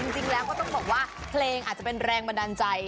จริงแล้วก็ต้องบอกว่าเพลงอาจจะเป็นแรงบันดาลใจ